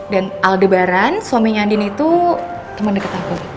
dan aldebaran suaminya andin itu teman deket aku